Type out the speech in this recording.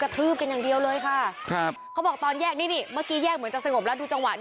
เที่ยวหรอเที่ยว